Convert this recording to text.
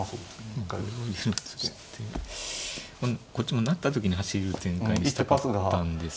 こっちも成った時に走る展開にしたかったんですけど。